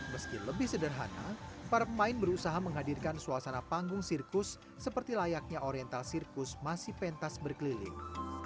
meski lebih sederhana para pemain berusaha menghadirkan suasana panggung sirkus seperti layaknya oriental sirkus masih pentas berkeliling